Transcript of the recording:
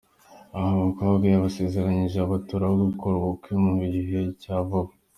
Abo bakobwa yarabasezeranyije abaturaho gukora ubukwe mu gihe cya vuba.